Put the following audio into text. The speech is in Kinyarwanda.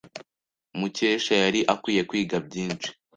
Mukesha yari akwiye kwiga byinshi.